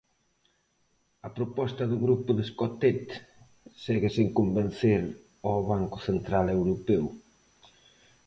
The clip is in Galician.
A proposta do grupo de Escotet segue sen convencer ao Banco central europeo.